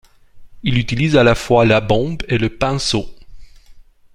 Il utilise à la fois la bombe et le pinceau.